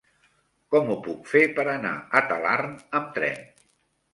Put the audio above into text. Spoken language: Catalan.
Com ho puc fer per anar a Talarn amb tren?